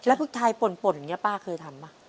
พริกไทยป่นอย่างนี้ป้าเคยทำป่ะ